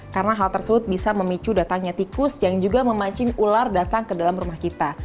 karena hal tersebut bisa memicu datangnya tikus yang juga memancing ular datang ke dalam rumah kita